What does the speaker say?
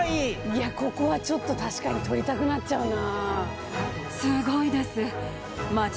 いやここはちょっと確かに撮りたくなっちゃうな。